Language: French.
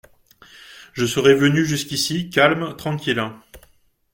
Je serais venu jusqu’ici, calme, tranquille !